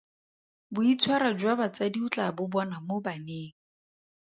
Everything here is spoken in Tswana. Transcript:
Boitshwaro jwa batsadi o tla bo bona mo baneng.